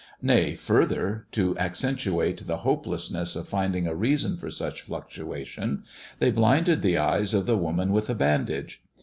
Nay, further to accentuate the hopelessness of finding a reason for such fluctuation, they blinded the eyes of the woman with a bandage.